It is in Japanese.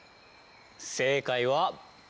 正解は。